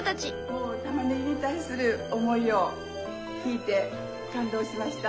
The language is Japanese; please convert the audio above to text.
もうたまねぎに対する思いを聞いて感動しました。